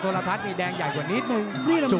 ต้องระวังให้ดีนะครับแดงเผ็ดประดุงเนี่ยบังแค่ขวาอยู่หรือเปล่า